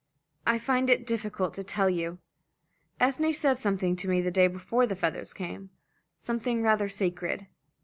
"I find it difficult to tell you Ethne said something to me the day before the feathers came something rather sacred.